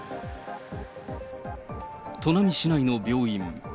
砺波市内の病院。